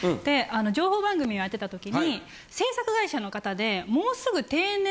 情報番組をやってた時に制作会社の方で。